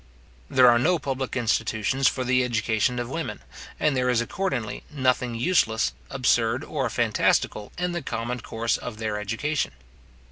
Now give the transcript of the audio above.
There are no public institutions for the education of women, and there is accordingly nothing useless, absurd, or fantastical, in the common course of their education.